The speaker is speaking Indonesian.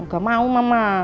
gak mau mama